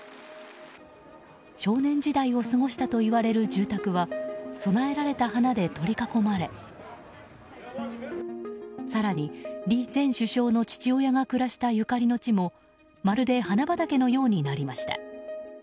少年時代を過ごしたといわれる住宅は供えられた花で取り囲まれ更に李前首相の父親が暮らしたゆかりの地もまるで花畑のようになりました。